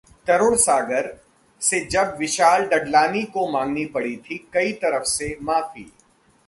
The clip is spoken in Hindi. तरुण सागर से जब विशाल डडलानी को मांगनी पड़ी थी कई तरह से माफी